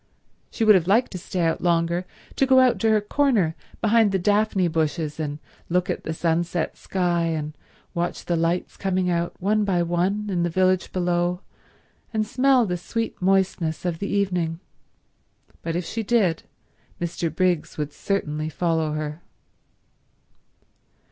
She would have liked to stay out longer, to go to her corner behind the daphne bushes and look at the sunset sky and watch the lights coming out one by one in the village below and smell the sweet moistness of the evening, but if she did Mr. Briggs would certainly follow her.